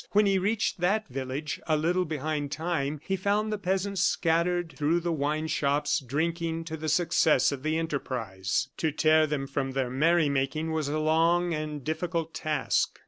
When he reached that village, a little behind time, he found the peasants scattered through the wine shops, drinking to the success of the enterprise. To tear them from their merry making was a long and difficult task.